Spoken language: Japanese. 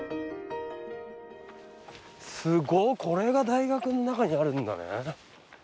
すごっこれが大学の中にあるんだね。